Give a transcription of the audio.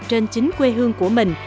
trên chính quê hương của mình